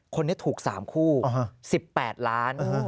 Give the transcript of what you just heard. คนนี้ถูก๓คู่๑๘ล้าน